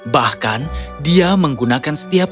bahkan dia menggunakan setiap